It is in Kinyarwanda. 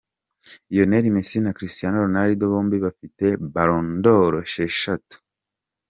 Lionel Messi na Cristiano Ronaldo bombi bafite Ballon d’or esheshatu.